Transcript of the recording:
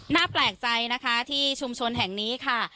แปลกใจนะคะที่ชุมชนแห่งนี้ค่ะ